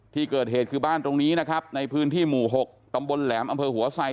ที่เกิดเหตุคือบ้านตรงนี้นะครับในพื้นที่หมู่๖ตำบลแหลมอำเภอหัวไซ